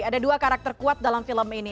ada dua karakter kuat dalam film ini